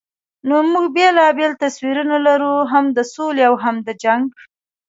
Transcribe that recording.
نو موږ بېلابېل تصویرونه لرو، هم د سولې او هم د جنګ.